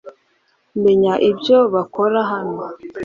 Menya ibyo bakora hano .